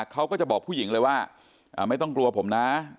เขาก็จะบอกผู้หญิงเลยว่าไม่ต้องกลัวผมนะ